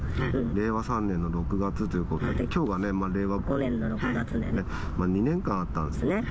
令和３年の６月ということで、きょうは令和５年の６月でね、２年間あったんですよね。